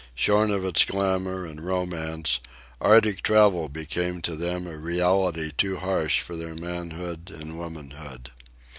Shorn of its glamour and romance, Arctic travel became to them a reality too harsh for their manhood and womanhood.